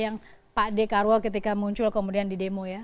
yang pak dekarwo ketika muncul kemudian di demo ya